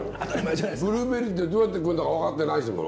ブルーベリーってどうやって食うんだか分かってないですもの。